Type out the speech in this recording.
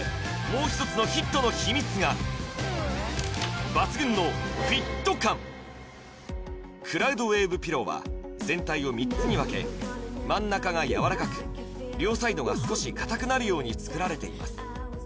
もう一つのヒットの秘密がクラウドウェーブピローは全体を３つに分け真ん中がやわらかく両サイドが少し硬くなるように作られています